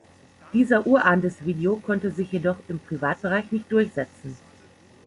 Dieser „Urahn des Video“ konnte sich jedoch im Privatbereich nicht durchsetzen.